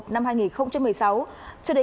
năm hai nghìn một mươi sáu cho đến